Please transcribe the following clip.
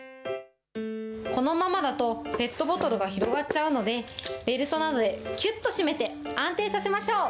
このままだとペットボトルが広がっちゃうので、ベルトなどできゅっと締めて安定させましょう。